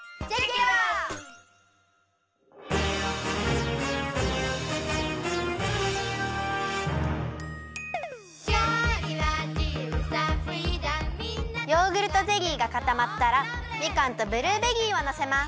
「料理は自由さフリーダム」ヨーグルトゼリーがかたまったらみかんとブルーベリーをのせます。